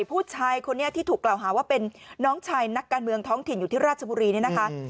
ผู้ชายคนนี้ที่ถูกกล่าวหาว่าเป็นน้องชายนักการเมืองท้องถิ่นอยู่ที่ราชบุรีเนี่ยนะคะ